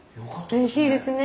うれしいですね。